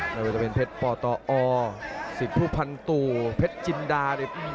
แล้วจะเป็นเพชรปอตออร์สิทธิ์ผู้พันตุเพชรจินดา